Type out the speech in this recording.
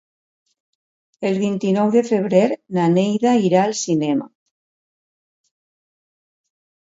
El vint-i-nou de febrer na Neida irà al cinema.